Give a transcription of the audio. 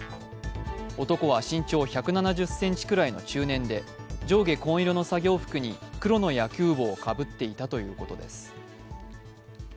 男は身長１７０ｃｍくらいの中年で上下紺色の作業服に黒の野球帽をかぶっていたということです。